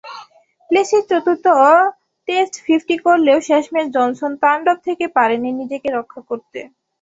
Places চতুর্থ test fifty করলেও শেষমেশ জনসন-তান্ডব থেকে পারেননি নিজেকে রক্ষা করতে।